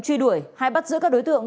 truy đuổi hay bắt giữ các đối tượng